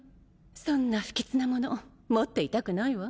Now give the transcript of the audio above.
そんな不吉なもの持っていたくないわ。